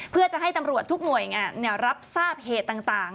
เพื่อจะให้ตำรวจทุกหน่วยรับทราบเหตุต่าง